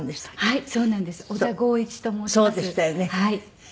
はい。